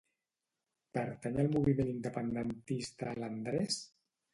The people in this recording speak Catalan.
Pertany al moviment independentista l'Andrés?